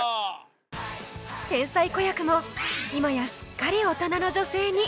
天才子役も今やすっかり大人の女性に！